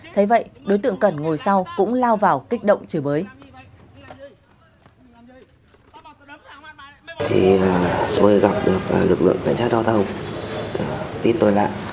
thế vậy đối tượng cẩn ngồi sau cũng lao vào kích động chửi bới